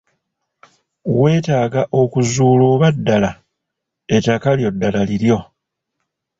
Weetaaga okuzuula oba ddaala ettaka lyo ddaala liryo.